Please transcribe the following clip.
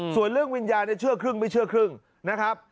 ส่วนเรื่องวิญญาณเชื่อครึ่งไม่เชื่อครึ่งนะครับ